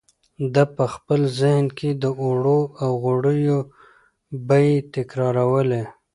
ده په خپل ذهن کې د اوړو او غوړیو بیې تکرارولې.